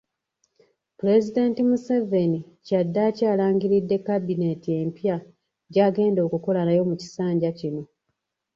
Pulezidenti Museveni, kyaddaaki alangiridde kabineeti empya gy’agenda okukola nayo mu kisanja kino.